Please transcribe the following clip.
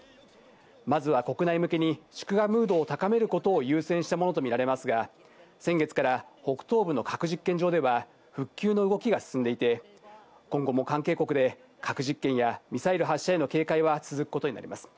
まずは国内向けに祝賀ムードを高めることを優先したものと見られますが、先月から北東部の核実験場では復旧の動きが進んでいて、今後も関係国で核実験やミサイル発射への警戒は続くことになります。